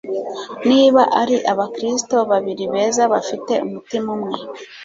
Niba ari abakristo babiri beza bafite umutima umwe